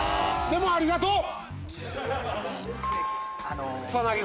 でもありがとう。